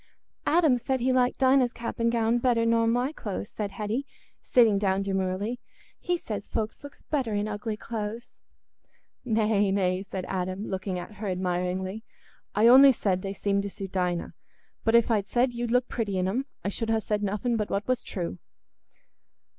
"Adam said he liked Dinah's cap and gown better nor my clothes," said Hetty, sitting down demurely. "He says folks looks better in ugly clothes." "Nay, nay," said Adam, looking at her admiringly; "I only said they seemed to suit Dinah. But if I'd said you'd look pretty in 'em, I should ha' said nothing but what was true."